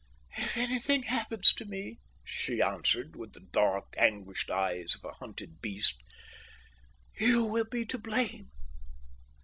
"If anything happens to me," she answered, with the dark, anguished eyes of a hunted beast, "you will be to blame."